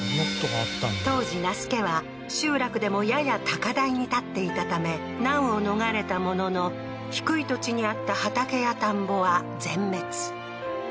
当時那須家は集落でもやや高台に建っていたため難を逃れたものの低い土地にあった畑や田んぼは全滅